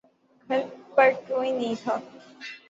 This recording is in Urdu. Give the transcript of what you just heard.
گھر پے کوئی نہیں تھا۔